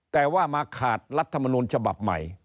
แต่ว่ามาขาดรัฐมนุนฉบับใหม่